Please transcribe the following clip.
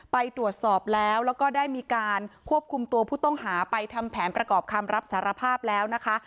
ไปตรวจสอบแล้วแล้วก็ได้มีการควบคุมตัวผู้ต้องหาไปทำแผนประกอบคำรับสารภาพแล้วนะคะ